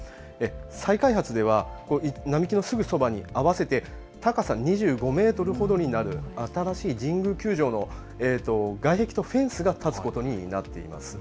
再開発では並木のすぐそばに合わせて高さ２５メートルほどになる新しい神宮球場の外壁とフェンスが建つことになっています。